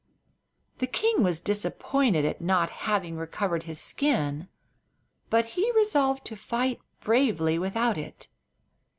The king was disappointed at not having recovered his skin, but he resolved to fight bravely without it.